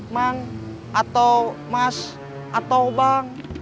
mang atau mas atau bang